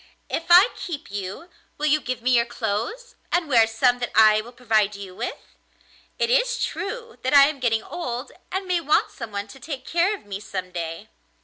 If I keep you, will you give me your clothes and wear some that I will provide you with? It is true that I am getting old and may want someone to take care of me some day.